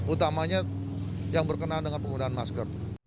utamanya yang berkenaan dengan penggunaan masker